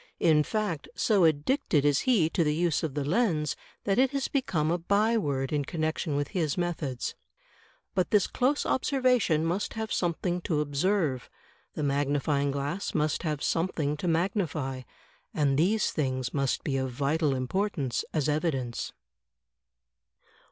In fact, so addicted is he to the use of the lens, that it has become a by word in connection with his methods. CLOSE OBSERVATION 135 But this close observation must have something to observe ; the magnifying glass must have something to magnify; and these things must be of vital importance as evidence.